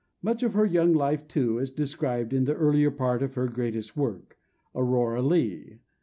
Much of her young life, too, is described in the earlier part of her greatest work, Aurora Leigh.